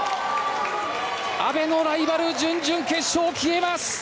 阿部のライバル準々決勝消えます。